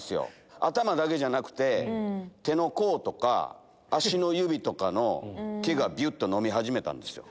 頭だけじゃなくて手の甲とか足の指とかの毛がびゅっと伸び始めたんですよ。